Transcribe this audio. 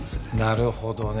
なるほどね。